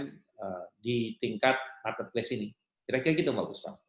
dan kami juga rajin menggunakan produk produk saat ini yang memang bisa kami targetkan mengisi sektor e commerce